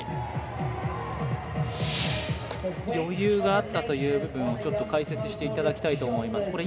余裕があったという部分をちょっと解説していただきたいと思います。